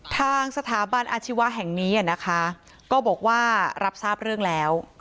ทางสถาบันอาชีวะแห่งนี้นะคะก็บอกว่ารับทราบเรื่องแล้ว